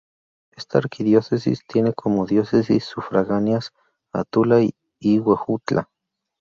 Esta arquidiócesis tiene como diócesis sufragáneas a Tula y Huejutla.